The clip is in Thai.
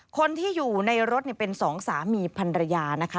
คนที่อยู่ในรถเป็นสองสามีพันรยานะคะ